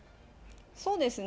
そうですね。